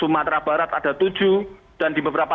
tetapi ternyata sisa sisa jaringannya tidak berhasil